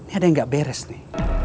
ini ada yang gak beres nih